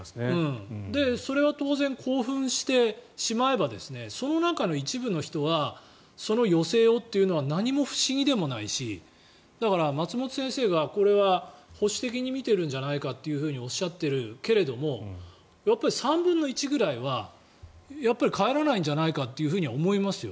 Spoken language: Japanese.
それは当然、興奮してしまえばその中の一部の人はその余勢をというのは何も不思議でもないしだから、松本先生が保守的に見てるんじゃないかとおっしゃっているけれどもやっぱり３分の１くらいは帰らないんじゃないかなとは思いますよ。